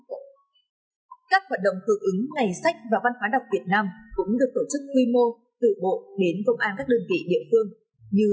cũng được tổ chức quy mô tự bộ đến công an các đơn vị địa phương